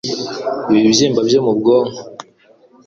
Ibibyimba byo mu bwonko